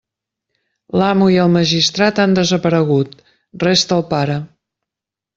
L'amo i el magistrat han desaparegut; resta el pare.